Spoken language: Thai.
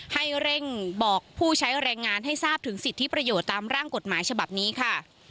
ให้เร่งบอกผู้ใช้แรงงานให้ทราบถึงสิทธิประโยชน์ตามร่างกฎหมายฉบับนี้ค่ะ